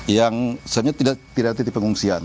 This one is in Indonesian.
yang sebenarnya tidak tiba tiba mengungsikan